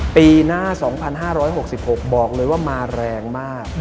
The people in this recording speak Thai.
ปีหน้า๒๕๖๖บอกเลยว่ามาแรงมาก